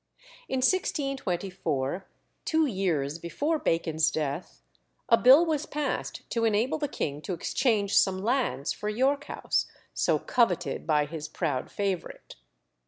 In 1624, two years before Bacon's death, a bill was passed to enable the king to exchange some lands for York House, so coveted by his proud favourite.